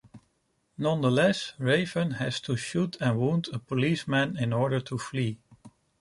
Nonetheless, Raven has to shoot and wound a policeman in order to flee.